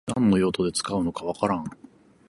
何の用途で使うのかわからん